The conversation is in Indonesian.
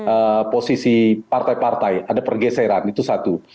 ada posisi partai partai ada pergeseran itu satu